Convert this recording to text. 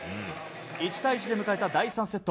１対１で迎えた第３セット。